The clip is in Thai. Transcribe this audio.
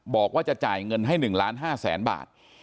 บอกว่าจะจ่ายเงินให้๑ล้าน๕แสนบาท